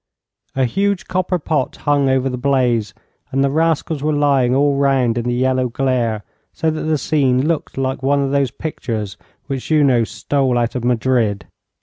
A huge copper pot hung over the blaze, and the rascals were lying all round in the yellow glare, so that the scene looked like one of those pictures which Junot stole out of Madrid.